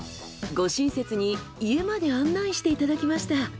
ご親切に家まで案内していただきました。